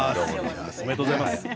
おめでとうございます。